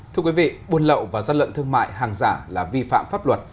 thưa quý vị buôn lậu và gian lận thương mại hàng giả là vi phạm pháp luật